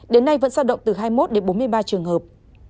đến nay vẫn giao động từ hai mươi một đến bốn mươi ba trường hợp